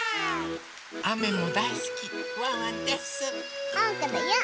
あめもだいすきワンワンです！